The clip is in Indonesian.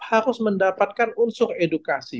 harus mendapatkan unsur edukasi